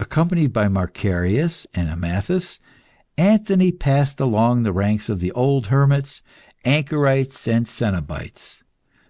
Accompanied by Macarius and Amathas, Anthony passed along the ranks of the old hermits, anchorites, and cenobites.